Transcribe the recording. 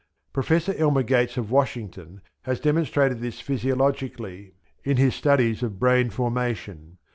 Professor Elmer Gates, of Washington, has demonstrated this physiologically in his studies of brain formation.